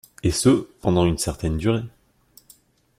Et ce pendant une certaine durée.